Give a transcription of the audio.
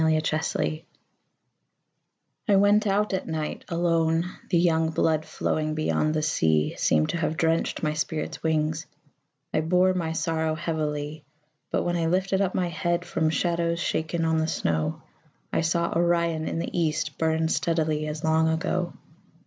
Winter Stars I went out at night alone; The young blood flowing beyond the sea Seemed to have drenched my spirit's wings I bore my sorrow heavily. But when I lifted up my head From shadows shaken on the snow, I saw Orion in the east Burn steadily as long ago.